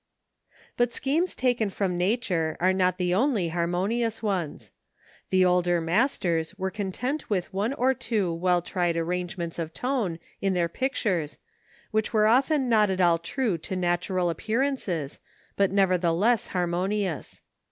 But schemes taken from nature are not the only harmonious ones. The older masters were content with one or two well tried arrangements of tone in their pictures, which were often not at all true to natural appearances but nevertheless harmonious.